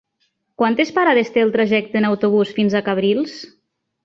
Quantes parades té el trajecte en autobús fins a Cabrils?